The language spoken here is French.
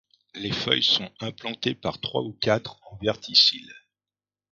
Les feuilles sont implantées par trois ou quatre en verticille.